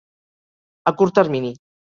A curt termini.